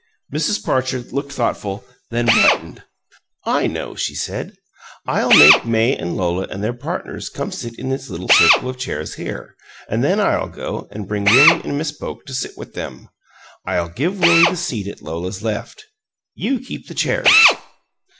Mrs. Parcher looked thoughtful, then brightened. "I know!" she said. "I'll make May and Lola and their partners come sit in this little circle of chairs here, and then I'll go and bring Willie and Miss Boke to sit with them. I'll give Willie the seat at Lola's left. You keep the chairs."